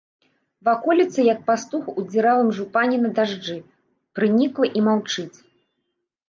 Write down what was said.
Ваколіца, як пастух у дзіравым жупане на дажджы, прынікла і маўчыць.